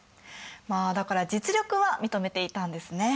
まあだから実力は認めていたんですね。